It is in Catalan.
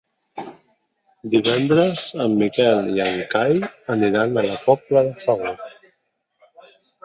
Divendres en Miquel i en Cai aniran a la Pobla de Segur.